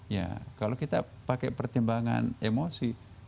ya kalau kita pakai pertimbangan emosi